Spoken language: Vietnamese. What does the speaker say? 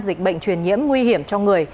dịch bệnh truyền nhiễm nguy hiểm cho người